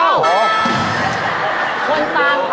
คนตามเขาน่ะ